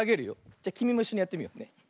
じゃきみもいっしょにやってみようね。